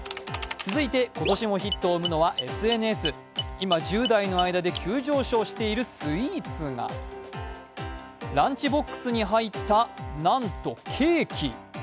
続いて今年もヒットを生むのはＳＮＳ今、１０代の間で急上昇しているスイーツがランチボックスに入った、なんとケーキ。